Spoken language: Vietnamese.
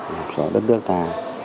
một số đất nước ta